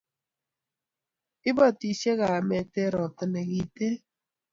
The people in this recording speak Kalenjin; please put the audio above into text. Ibotisie kamet eng' robta ne kinte